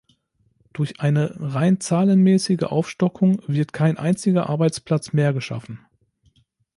Durch eine rein zahlenmäßige Aufstockung wird kein einziger Arbeitsplatz mehr geschaffen.